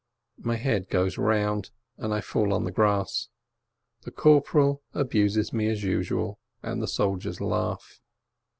My head goes round, and I fall onto the grass. The corporal abuses me as usual, and the soldiers laugh.